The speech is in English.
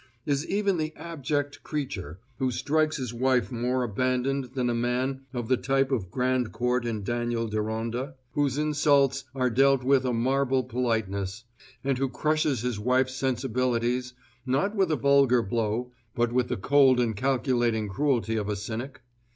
Is even the abject creature who strikes his wife more abandoned than a man of the type of Grandcourt in Daniel Deronda, whose insults are dealt with a marble politeness, and who crushes his wife's sensibilities, not with a vulgar blow but with the cold and calculating cruelty of a cynic?